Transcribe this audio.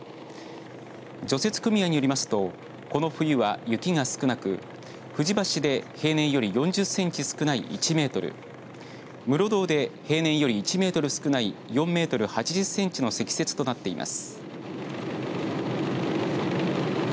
除雪組合によりますとこの冬は雪が少なく藤橋で平年より４０センチ少ない１メートル室堂で平年より１メートル少ない４メートル８０センチの積雪となっています。